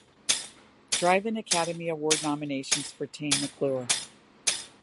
Drive-In Academy Award nominations for Tane McClure.